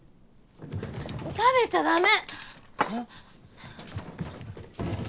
食べちゃダメ！